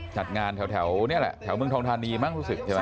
จัดงานแถวนี่แหละแถวเมืองทองทานีมั้งรู้สึกใช่ไหม